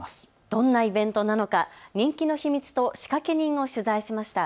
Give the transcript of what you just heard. どんなイベントなのか、人気の秘密と仕掛け人を取材しました。